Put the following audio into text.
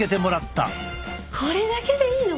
これだけでいいの？